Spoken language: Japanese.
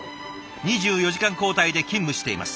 ２４時間交代で勤務しています。